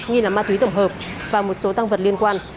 nghi là ma túy tổng hợp và một số tăng vật liên quan